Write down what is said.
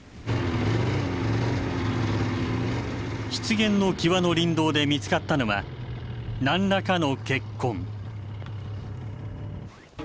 湿原の際の林道で見つかったのは何らかの血痕。